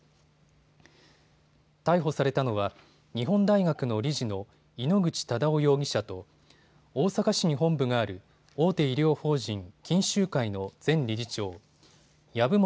逮捕されたのは日本大学の理事の井ノ口忠男容疑者と大阪市に本部がある大手医療法人錦秀会の前理事長、籔本